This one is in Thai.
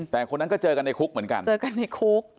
แต่คนนั้นก็เจอกันในคุกเหมือนกันเจอกันในคุก